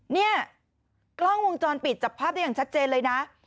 เนี่ยกล้องวงจรปิดจับภาพได้อย่างชัดเจนเลยนะ